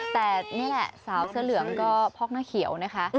แต่นี่แหละสาวเสื้อเหลืองก็พอกหน้าเขียวนะคะ